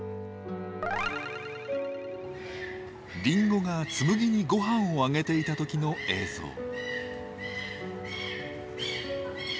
リンゴがつむぎにごはんをあげていた時の映像。